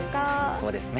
そうですね。